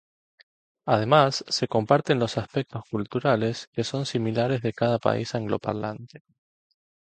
Además, se comparten los aspectos culturales que son similares de cada país angloparlante.